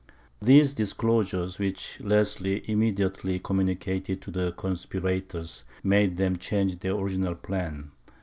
These disclosures, which Leslie immediately communicated to the conspirators, made them change their original plan.